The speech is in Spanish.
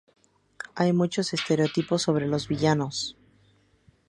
Hay muchos estereotipos sobre los villanos.